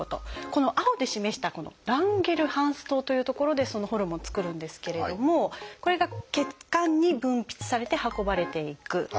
この青で示した「ランゲルハンス島」という所でそのホルモン作るんですけれどもこれが血管に分泌されて運ばれていく。